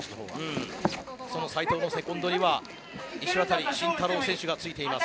斎藤のセコンドには石渡伸太郎選手がついています。